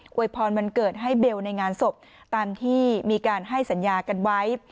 วยพรวันเกิดให้เบลในงานศพตามที่มีการให้สัญญากันไว้